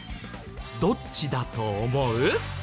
どっちだと思う？